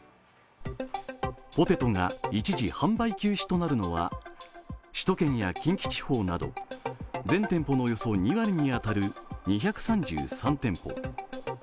ポテトが一時販売休止となるのは首都圏や近畿地方など全店舗のおよそ２割に当たる２３３店舗。